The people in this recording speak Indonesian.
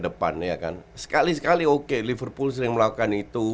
abu kab sabadure ini bagian